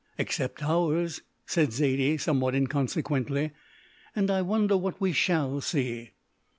"Except ours," said Zaidie somewhat inconsequently, "and I wonder what we shall see."